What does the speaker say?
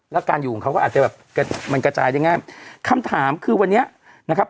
แล้วการอยู่ของเขาก็อาจจะแบบมันกระจายได้ง่ายคำถามคือวันนี้นะครับ